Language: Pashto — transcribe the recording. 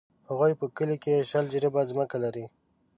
هغوی په کلي کښې شل جریبه ځمکه لري.